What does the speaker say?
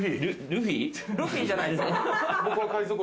ルフィじゃないです。